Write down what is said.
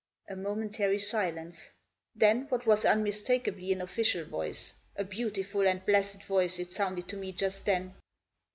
A momentary silence. Then what was unmistakably an official voice, a beautiful and a blessed voice it sounded to me just then.